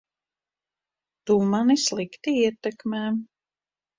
Tu mani slikti ietekmē.